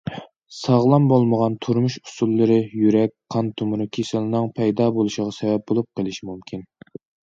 ساغلام بولمىغان تۇرمۇش ئۇسۇللىرى يۈرەك قان تومۇرى كېسىلىنىڭ پەيدا بولۇشىغا سەۋەب بولۇپ قېلىشى مۇمكىن.